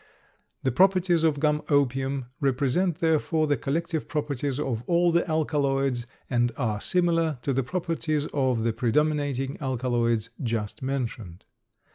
The properties of gum opium represent therefore the collective properties of all of the alkaloids and are similar to the properties of the predominating alkaloids just mentioned.